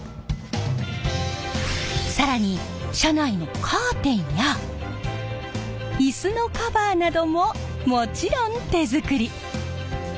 更に車内のカーテンやイスのカバーなどももちろん手作り！